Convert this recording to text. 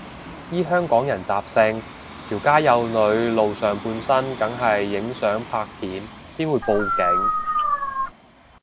依香港人習性，條街有女露上半身梗係影相拍片，邊會報警